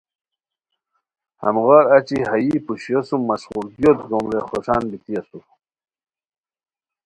ہموغار اچی ہائی پوشیو سوم مشقولگیوت گوم رے خوشان بیتی اسور